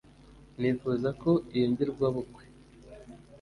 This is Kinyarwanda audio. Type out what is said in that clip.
ntifuza ko iyo ngirwa bukwe